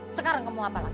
sekarang kamu mau apa lagi